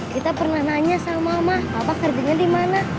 kita pernah nanya sama mama papa kerjanya di mana